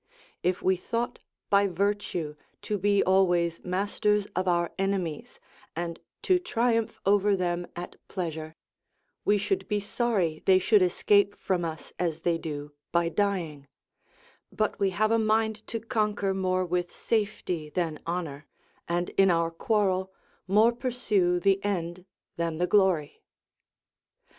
If we thought by virtue to be always masters of our enemies, and to triumph over them at pleasure, we should be sorry they should escape from us as they do, by dying: but we have a mind to conquer, more with safety than honour, and, in our quarrel, more pursue the end than the glory.